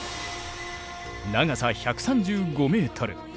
長さ１３５メートル。